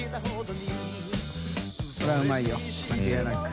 海譴うまいよ間違いなく。